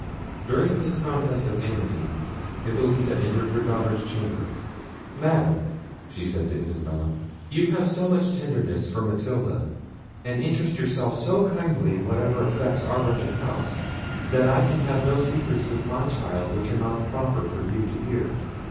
During this contest of amity, Hippolita entered her daughter's chamber. "Madam," said she to Isabella, "you have so much tenderness for Matilda, and interest yourself so kindly in whatever affects our wretched house, that I can have no secrets with my child which are not proper for you to hear."